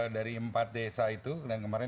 dari empat desa itu dan kemarin